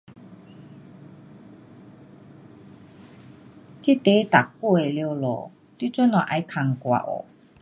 这题答过了咯，你做什么再问我哦？